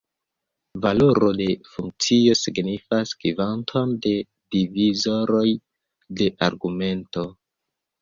Valoro de funkcio signifas kvanton de divizoroj de argumento.